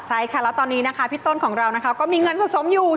ใช่ค่ะแล้วตอนนี้นะคะพี่ต้นของเรานะคะก็มีเงินสะสมอยู่